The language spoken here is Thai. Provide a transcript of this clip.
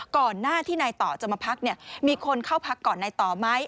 ก่อนหน้าที่นายต่อจะมาพักมีคนเข้าพักก่อนนายต่อไหม